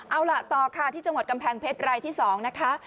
เอาล่ะต่อค่ะที่จังหวัดกำแพงเพชรรายที่๒นะคะ